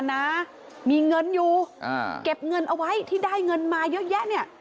นะมีเงินอยู่อ่าเก็บเงินเอาไว้ที่ได้เงินมาเยอะแยะเนี่ย